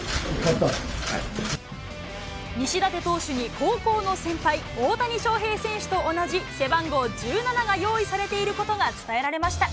西舘投手に高校の先輩、大谷翔平選手と同じ、背番号１７が用意されていることが伝えられました。